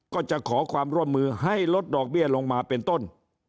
ก็จะขอความร่วมมือให้ลดดอกเบี้ยลงมาเป็นต้น